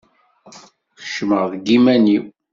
Kecmeɣ deg iman-iw.